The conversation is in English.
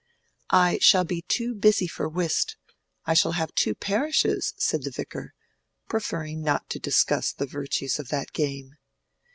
"I shall be too busy for whist; I shall have two parishes," said the Vicar, preferring not to discuss the virtues of that game.